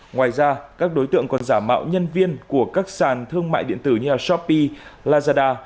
ngoài ra các đối tượng còn giả mạo nhân viên của các sàn thương mại điện tử như shopee lazada